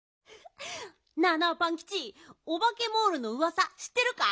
なあなあパンキチオバケモールのうわさしってるか？